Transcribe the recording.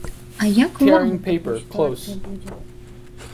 А як вам у такой сітуацыі будзе?